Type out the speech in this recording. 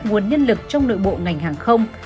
nguồn nhân lực trong nội bộ ngành hàng không